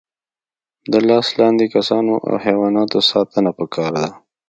د لاس لاندې کسانو او حیواناتو ساتنه پکار ده.